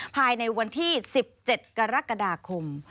ภายในวันที่๑๗กรกฎาคม